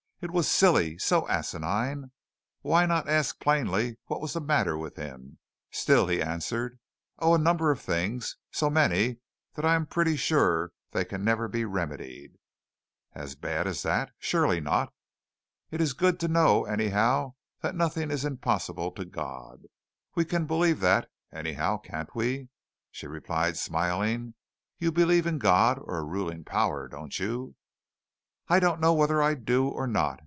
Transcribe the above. It was silly, so asinine. Why not ask plainly what was the matter with him? Still he answered: "Oh, a number of things. So many that I am pretty sure they can never be remedied." "As bad as that? Surely not. It is good to know, anyhow, that nothing is impossible to God. We can believe that, anyhow, can't we?" she replied, smiling. "You believe in God, or a ruling power, don't you?" "I don't know whether I do or not.